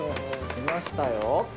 来ましたよ。